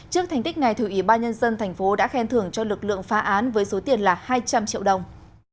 trước thành tích này thủy ubnd tp đã khen thưởng cho lực lượng phá án với số tiền là hai trăm linh triệu đồng